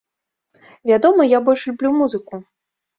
Вядома, я больш люблю музыку!